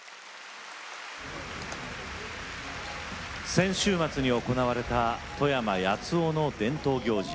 先週末に行われた富山・八尾の伝統行事